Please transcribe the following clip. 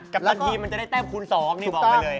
ทันทีมันจะได้แต้มคูณ๒นี่บอกไปเลย